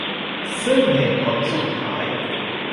ซึ่งเหตุผลสุดท้าย